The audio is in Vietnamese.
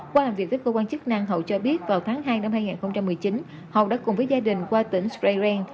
qua làm việc với cơ quan chức năng hậu cho biết vào tháng hai năm hai nghìn một mươi chín hậu đã cùng với gia đình qua tỉnh srayren